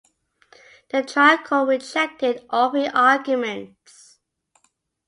The trial court rejected all three arguments.